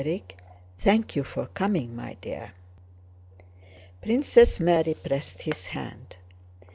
"Thank you for coming, my dear." Princess Mary pressed his hand.